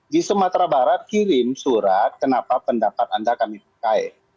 di sumatera barat kirim surat kenapa pendapat anda kami pakai